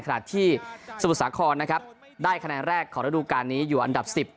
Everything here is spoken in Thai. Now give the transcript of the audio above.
ขณะที่สมุทรสาครนะครับได้คะแนนแรกของระดูการนี้อยู่อันดับ๑๐